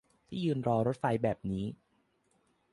ที่ยืนรอรถไฟแบบนี้